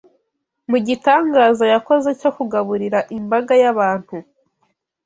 mu gitangaza yakoze cyo kugaburira imbaga y’abantu